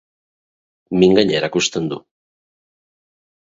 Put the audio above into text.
Mingaina erakusten du.